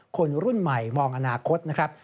คนรุ่นใหม่มองอนาคตนะครับ